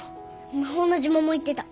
魔法の呪文も言ってた。